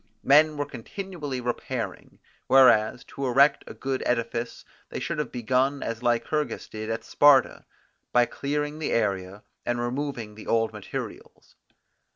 Men were continually repairing; whereas, to erect a good edifice, they should have begun as Lycurgus did at Sparta, by clearing the area, and removing the old materials.